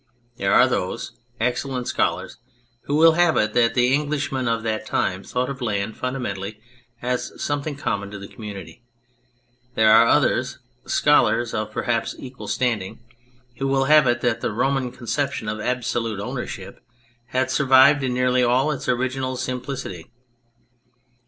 There are those excellent scholars who will have it that the Englishmen of that time thought of land fundamentally as some thing common to the community. There are others scholars of perhaps equal standing who will have it that the Roman conception of absolute ownership had survived in nearly all its original simplicity.